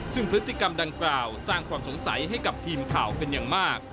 ซึ่งพฤติกรรมดังกล่าวสร้างความสงสัยให้กับทีมข่าวเป็นอย่างมาก